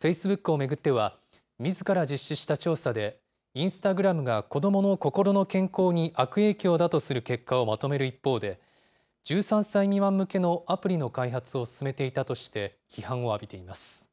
フェイスブックを巡っては、みずから実施した調査で、インスタグラムが子どもの心の健康に悪影響だとする結果をまとめる一方で、１３歳未満向けのアプリの開発を進めていたとして、批判を浴びています。